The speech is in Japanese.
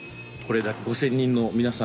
５０００人の皆さん。